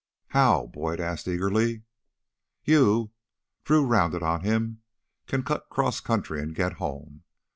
"How?" Boyd asked eagerly. "You" Drew rounded on him "can cut cross country and get home!"